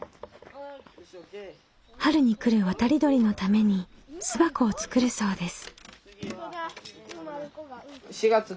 春に来る渡り鳥のために巣箱を作るそうです。